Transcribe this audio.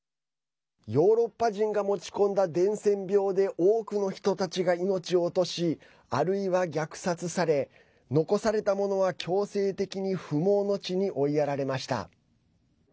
ヨーロッパ人が持ち込んだ伝染病で多くの人たちが命を落としあるいは虐殺され残された者は強制的に不毛の地に追いやられました。